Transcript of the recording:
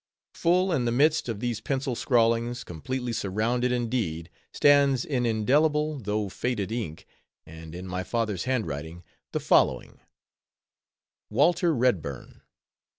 Full in the midst of these pencil scrawlings, completely surrounded indeed, stands in indelible, though faded ink, and in my father's hand writing, the following:— WALTER REDBURN.